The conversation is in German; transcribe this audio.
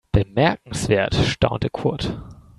"Bemerkenswert", staunte Kurt.